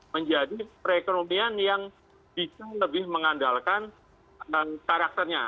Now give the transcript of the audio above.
menjadi perekonomian yang bisa lebih mengandalkan karakternya